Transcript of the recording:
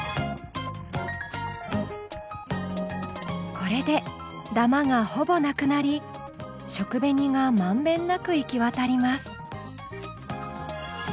これでだまがほぼなくなり食紅が満遍なく行き渡ります。